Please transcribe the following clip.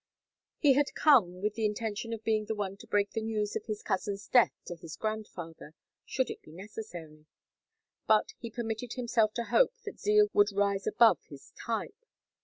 He had come with the intention of being the one to break the news of his cousin's death to his grandfather, should it be necessary; but he permitted himself to hope that Zeal would rise above his type.